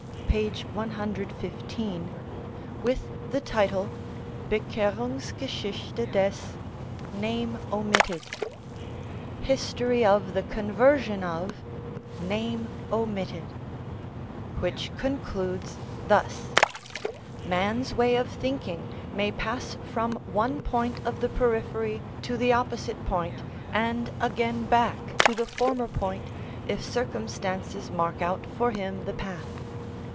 p. 115) with the title "Bekehrungsgeschichte des " ("History of the Conversion of "), which concludes thus: "Man's way of thinking may pass from one point of the periphery to the opposite point, and again back to the former point, if circumstances mark out for him the path.